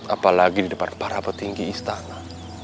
apalagi di depan para petinggi istana